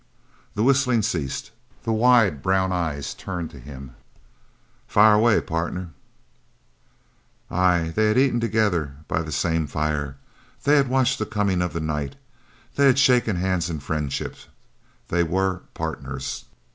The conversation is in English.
The whistling ceased; the wide brown eyes turned to him. "Fire away partner." Ay, they had eaten together by the same fire they had watched the coming of the night they had shaken hands in friendship they were partners.